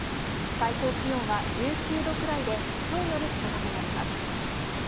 最高気温は１９度くらいで、きょうより高くなります。